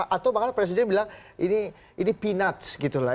atau bakal presiden bilang ini peanuts gitu lah